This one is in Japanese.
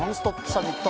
サミット。